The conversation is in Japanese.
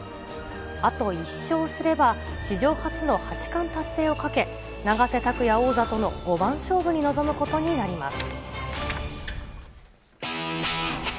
あと１勝すれば、史上初の八冠達成をかけ、永瀬拓矢王座との五番勝負に臨むことになります。